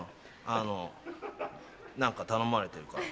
あの何か頼まれてるから。